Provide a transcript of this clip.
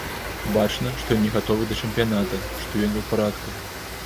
Бачна, што ён не гатовы да чэмпіяната, што ён не ў парадку.